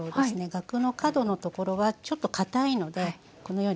ガクの角のところはちょっとかたいのでこのようにむきます。